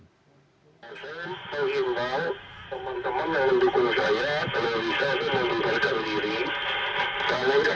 ini wilayah depok lalu sudah aman di sini keamanan bisa dibubarkan